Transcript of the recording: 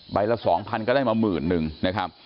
ใบละ๒๐๐๐ก็ได้มา๑๐๐๐๐นะครับ